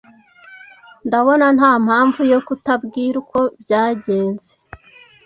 Ndabona ntampamvu yo kutabwira uko byagenze.